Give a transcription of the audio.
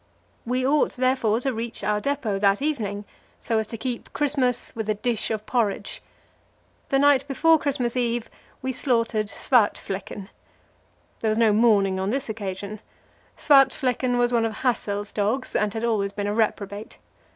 We ought, therefore, to reach our depot that evening, so as to keep Christmas with a dish of porridge. The night before Christmas Eve we slaughtered Svartflekken. There was no mourning on this occasion Svartflekken was one of Hassel's dogs, and had always been a reprobate.